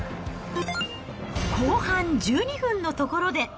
後半１２分のところで。